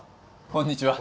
こんにちは。